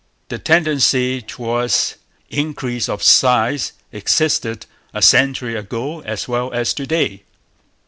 The tendency towards increase of size existed a century ago as well as to day.